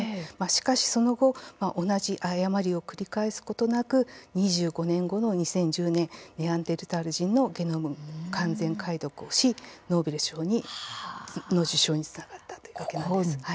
しかし、その後同じ誤りを繰り返すことなく２５年後の２０１０年ネアンデルタール人のゲノム完全解読をしノーベル賞の受賞につながったというわけなんです。